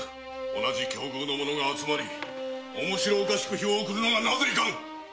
同じ境遇の者が集まり面白く日を送るのがナゼいかん！？